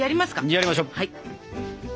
やりましょう。